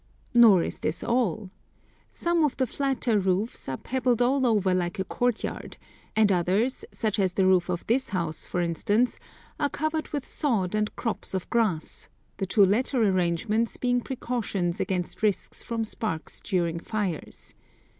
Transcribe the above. Nor is this all. Some of the flatter roofs are pebbled all over like a courtyard, and others, such as the roof of this house, for instance, are covered with sod and crops of grass, the two latter arrangements being precautions against risks from sparks during fires.